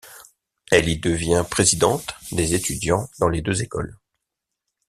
Elle y devient présidente des étudiants dans les deux écoles.